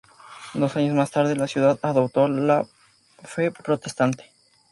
Dos años más tarde la ciudad adoptó la fe protestante.